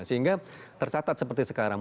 sehingga tercatat seperti sekarang